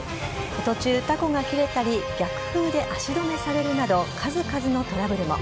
途中、たこが切れたり、逆風で足止めされるなど、数々のトラブルも。